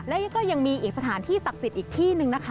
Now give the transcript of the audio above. และก็ยังมีอีกสถานที่ศักดิ์สิทธิ์อีกที่หนึ่งนะคะ